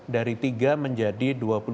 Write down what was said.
dari tiga menjadi dua puluh dua